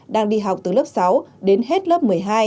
đang đi học từ lớp sáu đến hết lớp một mươi hai